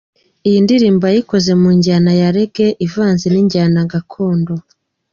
Iyi ndirimbo yayikoze mu njyana ya Reggae ivanze n’injyana gakondo .